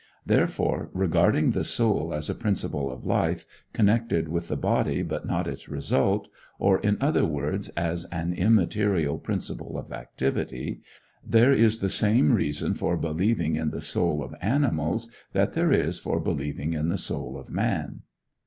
Therefore, regarding the soul as a principle of life, connected with the body but not its result, or, in other words, as an immaterial principle of activity, there is the same reason for believing in the soul of animals that there is for believing in the soul of man.